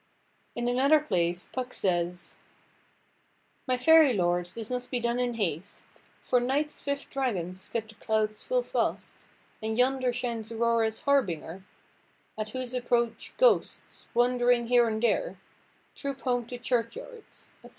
In another place Puck says— "My fairy lord this must be done in haste; For night's swift dragons cut the clouds full fast, And yonder shines Aurora's harbinger, At whose approach ghosts, wandering here and there, Troop home to churchyards," etc.